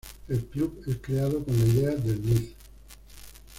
El club es creado con la idea del Lic.